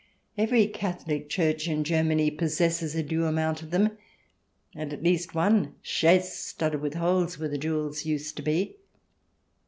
Every Catholic church in Germany possesses a due amount of them, and at least one chasse studded with holes where the jewels used to be.